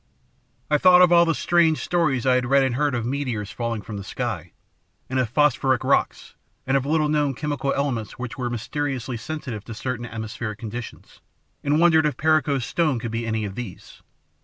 "I thought of all the strange stories I had read and heard of meteors falling from the sky, and of phosphoric rocks, and of little known chemical elements which were mysteriously sensitive to certain atmospheric conditions, and wondered if Perico's stone could be any of these.